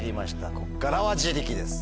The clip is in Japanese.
ここからは自力です。